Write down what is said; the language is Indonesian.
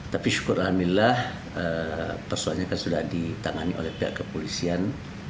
tapi syukur alhamdulillah persoalannya kan sudah ditangani oleh pihak kepolisian